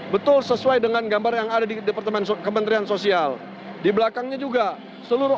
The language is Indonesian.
betul sesuai dengan gambar yang ada di departemen kementerian sosial di belakangnya juga seluruh